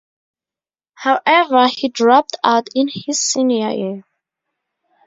However, he dropped out in his senior year.